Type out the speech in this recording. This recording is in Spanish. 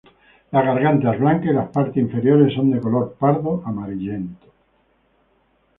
La garganta es blanca y las partes inferiores son de color pardo amarillento.